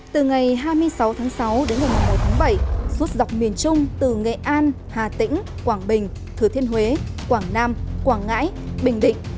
từ ngày hai mươi sáu tháng sáu đến ngày một tháng bảy suốt dọc miền trung từ nghệ an hà tĩnh quảng bình thừa thiên huế quảng nam quảng ngãi bình định